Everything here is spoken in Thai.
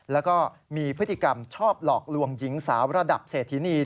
แล้วก็มีพฤติกรรมชอบหลอกลวงหญิงสาวระดับเศรษฐินี